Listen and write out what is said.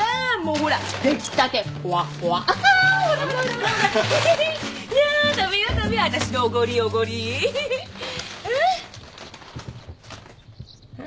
うん？